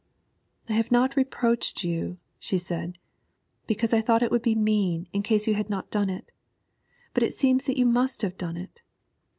'I have not reproached you,' she said, 'because I thought it would be mean in case you had not done it; but it seems that you must have done it.